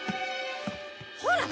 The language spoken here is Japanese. ほら！